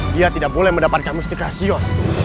dia tidak boleh mendapatkan mustika xion